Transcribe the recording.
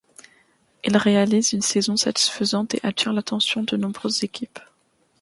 Il réalise une saison satisfaisante et attire l'attention de nombreuses équipes.